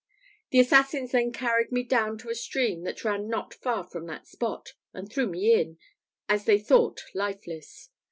"The assassins then carried me down to a stream that ran not far from the spot, and threw me in, as they thought lifeless.